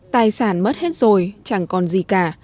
tài sản mất hết rồi chẳng còn gì cả